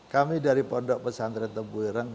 kami dari pondok pesantren tebu ireng